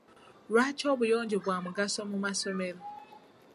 Lwaki obuyonjo bwa mugaso mu masomero?